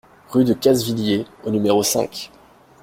Rue de Castviller au numéro cinq